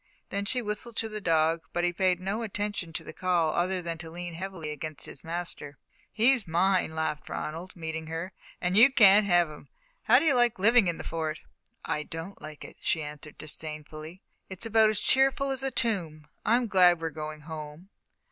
Then she whistled to the dog, but he paid no attention to the call other than to lean heavily against his master. "He's mine," laughed Ronald, meeting her, "and you can't have him. How do you like living in the Fort?" "I don't like it," she answered disdainfully. "It's about as cheerful as a tomb. I'm glad we're going home."